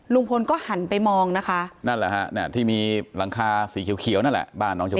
ลุงพลก็หันไปมองนะคะนั่นแหละฮะเนี่ยที่มีหลังคาสีเขียวนั่นแหละบ้านน้องชมพู่